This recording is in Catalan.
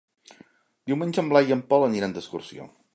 Diumenge en Blai i en Pol aniran d'excursió.